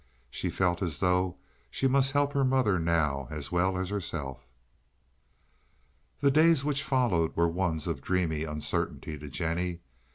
She felt as though she must help her mother now as well as herself. The days which followed were ones of dreamy uncertainty to Jennie.